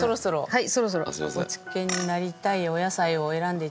はい。